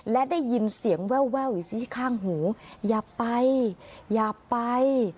และได้ยินเสียงแววอยู่ที่ข้างหูอย่าไปอย่าไป